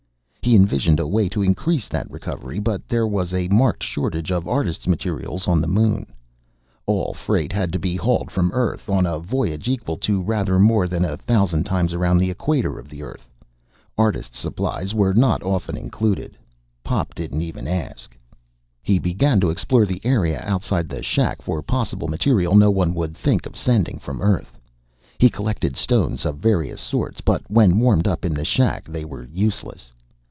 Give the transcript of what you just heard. He envisioned a way to increase that recovery. But there was a marked shortage of artists' materials on the Moon. All freight had to be hauled from Earth, on a voyage equal to rather more than a thousand times around the equator of the Earth. Artists' supplies were not often included. Pop didn't even ask. He began to explore the area outside the shack for possible material no one would think of sending from Earth. He collected stones of various sorts, but when warmed up in the shack they were useless.